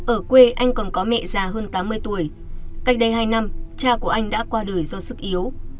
ở quê anh còn có mẹ già hơn tám mươi tuổi cách đây hai năm cha của anh đã qua đời do sức yếu